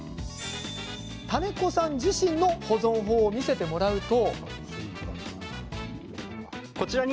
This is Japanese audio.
種子さん自身の保存法を見せてもらうと。